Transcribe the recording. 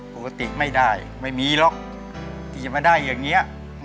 ปกติไม่ได้ไม่มีหรอกที่จะมาได้อย่างนี้